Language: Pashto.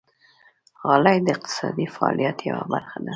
غالۍ د اقتصادي فعالیت یوه برخه ده.